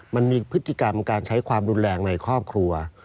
มันมีพฤติกรรมการใช้ความรุนแรงในครอบครัว